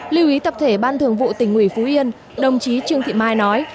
lưu ý tập thể ban thường vụ tỉnh ủy phú yên đồng chí trương thị mai nói